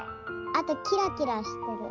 あとキラキラしてる。